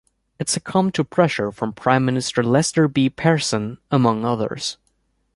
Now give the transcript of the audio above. It succumbed to pressure from Prime Minister Lester B. Pearson, among others.